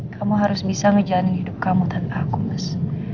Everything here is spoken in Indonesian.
kamu harus bisa ngejalanin hidup kamu tanpa aku mas